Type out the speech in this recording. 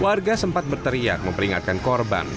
warga sempat berteriak memperingatkan korban